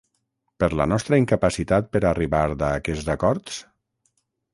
Per la nostra incapacitat per a arribar a aquests acords?